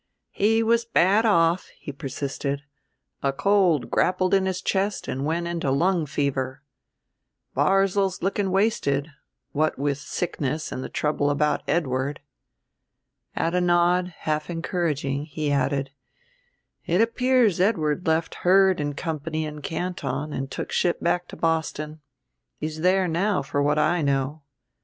"He was bad off," he persisted; "a cold grappled in his chest and went into lung fever. Barzil's looking wasted, what with sickness and the trouble about Edward." At a nod, half encouraging, he added, "It appears Edward left Heard and Company in Canton and took ship back to Boston. He's there now for what I know.